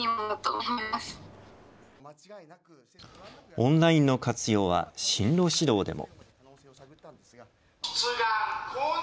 オンラインの活用は進路指導でも。